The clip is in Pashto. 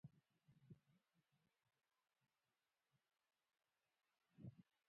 دځنګل حاصلات د افغانستان د اقلیمي نظام ښکارندوی ده.